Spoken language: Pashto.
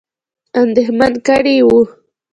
اندېښمن کړي وه.